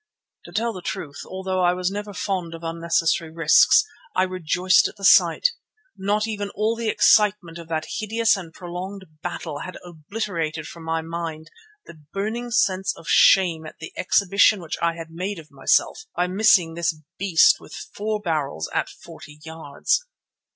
To tell the truth, although I was never fond of unnecessary risks, I rejoiced at the sight. Not even all the excitement of that hideous and prolonged battle had obliterated from my mind the burning sense of shame at the exhibition which I had made of myself by missing this beast with four barrels at forty yards.